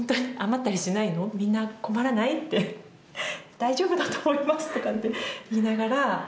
「大丈夫だと思います」とかって言いながら。